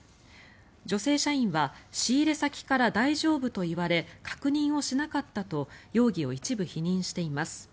女性社員は仕入れ先から大丈夫と言われ確認をしなかったと容疑を一部否認しています。